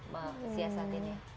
pesian saat ini